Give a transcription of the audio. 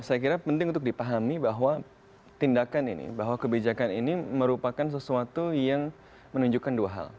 saya kira penting untuk dipahami bahwa tindakan ini bahwa kebijakan ini merupakan sesuatu yang menunjukkan dua hal